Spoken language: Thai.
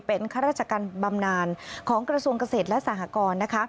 เป็นข้าราชการบำนานของกระทรวงเกษตรและสหกร